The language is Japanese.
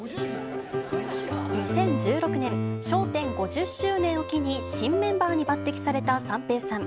２０１６年、笑点５０周年を機に、新メンバーに抜てきされた三平さん。